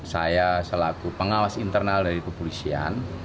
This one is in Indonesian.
saya selaku pengawas internal dari kepolisian